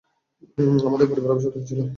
আমাদের পরিবার অভিশপ্ত হয়েছিল।